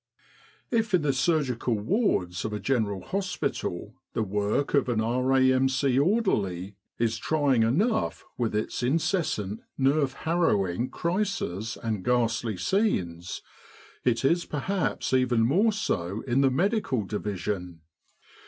"If in the surgical wards of a General Hospital the work of an R.A.M.C. orderly is trying enough with its incessant, nerve harrowing crises and ghastly scenes, it is perhaps even more so in the medical division.